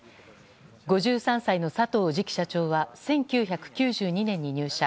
５３歳の佐藤次期社長は１９９２年に入社。